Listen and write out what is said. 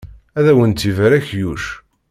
Ad awent-ibarek Yuc!